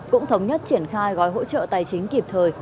cũng thống nhất triển khai gói hỗ trợ tài chính kịp thời